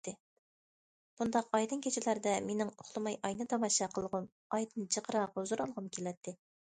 بۇنداق ئايدىڭ كېچىلەردە مېنىڭ ئۇخلىماي ئاينى تاماشا قىلغۇم، ئايدىن جىقراق ھۇزۇر ئالغۇم كېلەتتى.